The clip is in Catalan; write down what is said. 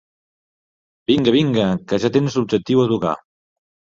Vinga, vinga, que ja tens l'objectiu a tocar.